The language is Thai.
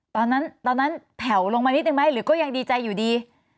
ตอนนั้นตอนนั้นแผ่วลงมานิดนึงไหมหรือก็ยังดีใจอยู่ดี